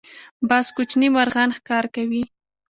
باز کوچني مرغان ښکار کوي